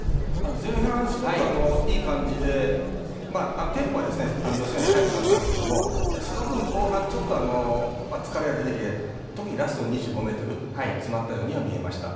前半、すごくいい感じでテンポは予選より早くなったんですけどもその分、後半ちょっと疲れが出てきて特にラストの２５ｍが詰まったようには見えました。